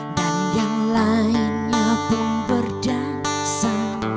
dan yang lainnya pun berdansa